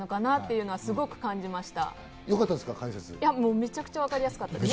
めちゃくちゃわかりやすかったです。